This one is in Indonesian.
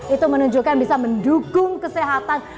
itu menunjukkan bisa mendukung kesehatan